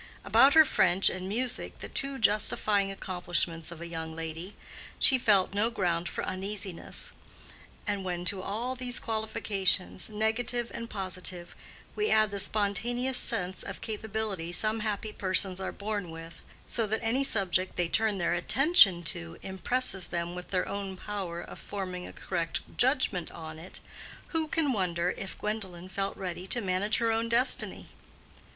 About her French and music, the two justifying accomplishments of a young lady, she felt no ground for uneasiness; and when to all these qualifications, negative and positive, we add the spontaneous sense of capability some happy persons are born with, so that any subject they turn their attention to impresses them with their own power of forming a correct judgment on it, who can wonder if Gwendolen felt ready to manage her own destiny?